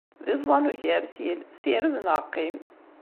D iẓẓan n ugertil, sired neɣ qqim.